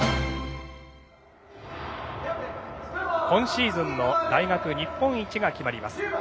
今シーズンの大学日本一が決まります。